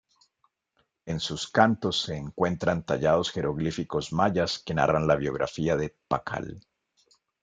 En sus cantos se encuentran tallados jeroglíficos mayas que narran la biografía de Pakal.